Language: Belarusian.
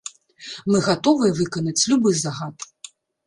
Мы гатовыя выканаць любы загад.